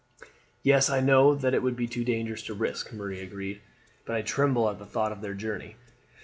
"Yes, I know that it would be too dangerous to risk," Marie agreed; "but I tremble at the thought of their journey."